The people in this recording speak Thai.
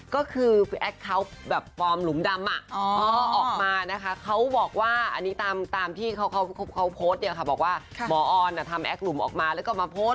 ก็คือแอคเขาแบบฟอร์มหลุมดำอ่ะ